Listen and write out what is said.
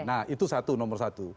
nah itu satu nomor satu